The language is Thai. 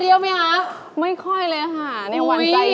ไม่ค่อยเลยในวันใจอยู่